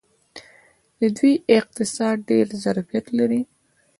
د دوی اقتصاد ډیر ظرفیت لري.